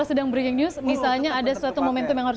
sejak satu tahun lalu